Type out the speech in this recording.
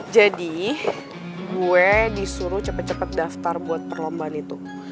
jadi gue disuruh cepet cepet daftar buat perlombaan itu